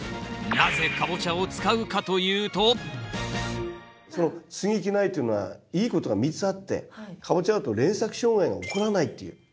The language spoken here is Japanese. なぜカボチャを使うかというとその接ぎ木苗っていうのはいいことが３つあってカボチャだと連作障害が起こらないっていう。